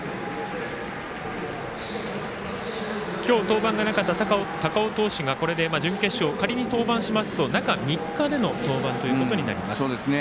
今日、登板がなかった高尾投手がこれで準決勝仮に登板しますと中３日での登板となります。